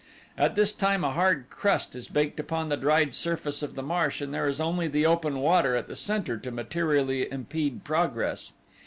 At this time a hard crust is baked upon the dried surface of the marsh and there is only the open water at the center to materially impede progress.